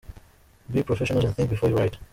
be professionals and think before you write.